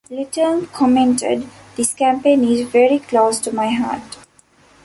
Letang commented: This campaign is very close to my heart.